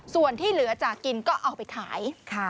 ส่วนที่เหลือจากกินก็เอาไปขาย